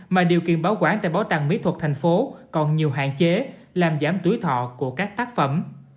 mà điều kiện bảo quản tại bảo tàng mỹ thuật tp hcm còn nhiều hạn chế làm giảm túi thọ của các tác phẩm